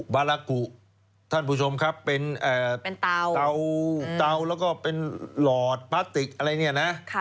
บาลากุท่านผู้ชมครับเป็นเตาแล้วก็เป็นหลอดพลาสติกอะไรเนี่ยนะ